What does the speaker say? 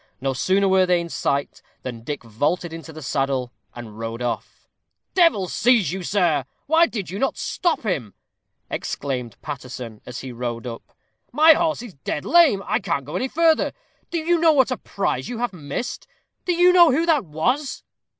No sooner were they in sight, than Dick vaulted into the saddle, and rode off. "Devil seize you, sir! why didn't you stop him?" exclaimed Paterson, as he rode up. "My horse is dead lame. I cannot go any further. Do you know what a prize you have missed? Do you know who that was?"